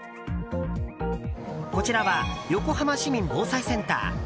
こちらは横浜市民防災センター。